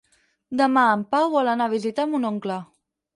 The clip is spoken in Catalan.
Demà en Pau vol anar a visitar mon oncle.